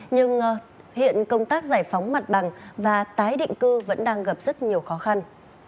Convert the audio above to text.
nhưng hiện công tác giải phóng mặt bằng và tái định cư vẫn đang gặp rất nhiều khó khăn